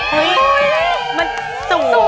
เฮ้ยมันสวยมาก